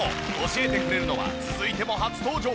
教えてくれるのは続いても初登場